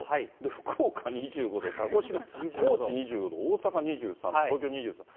福岡２５度、鹿児島、高知２５度、大阪２３度、東京２３度。